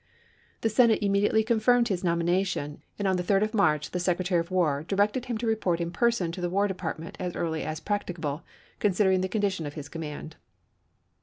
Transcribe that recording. The Senate immediately confirmed his nomina 1864. tion, and on the 3d of March the Secretary of War directed him to report in person to the War Department as early as practicable, consider ing the condition of his command.